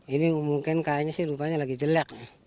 ini mungkin kayaknya sih rupanya lagi jelek